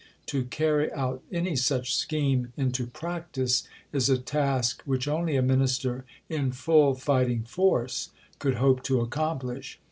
To carry out any such scheme into practice is a task which only a Minister, in full fighting force, could hope to accomplish.